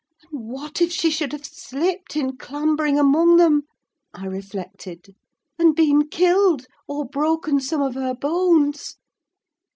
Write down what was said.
"And what if she should have slipped in clambering among them," I reflected, "and been killed, or broken some of her bones?"